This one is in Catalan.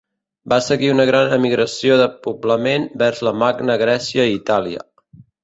Va seguir una gran emigració de poblament vers la Magna Grècia i Itàlia.